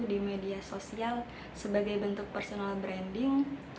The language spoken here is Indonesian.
di media sosial sebagai bentuk personal branding